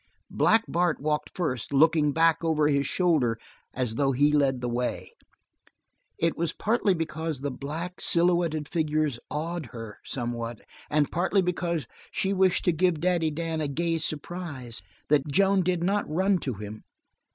Black Bart walked first, looking back over his shoulder as though he led the way. It was partly because the black, silhouetted figures awed her, somewhat, and partly because she wished to give Daddy Dan a gay surprise, that Joan did not run to him.